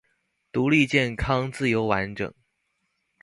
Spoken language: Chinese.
独立健康自由完整